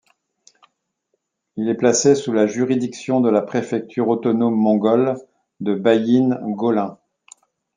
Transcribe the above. Il est placé sous la juridiction de la préfecture autonome mongole de Bayin'gholin.